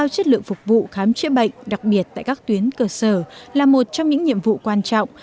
chất lượng phục vụ khám chữa bệnh đặc biệt tại các tuyến cơ sở là một trong những nhiệm vụ quan trọng